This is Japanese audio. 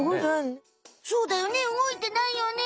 そうだよね動いてないよね。